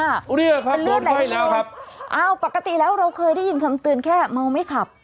อุ๊ยนี่ค่ะโดนไข้แล้วครับอ่าวปกติแล้วเราเคยได้ยินคำเตือนแค่เมาไม่ขับ